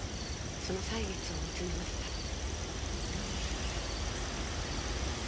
その歳月を見つめました。